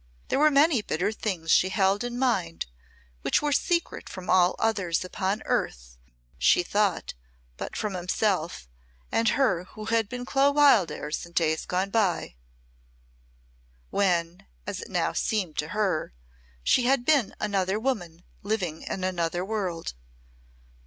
There were many bitter things she held in mind which were secret from all others upon earth, she thought, but from himself and her who had been Clo Wildairs in days gone by, when, as it now seemed to her, she had been another woman living in another world.